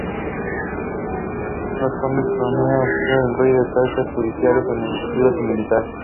Los condes palatinos asistían al rey en tareas judiciales, administrativas y militares.